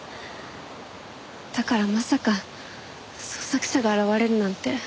だからまさか捜索者が現れるなんて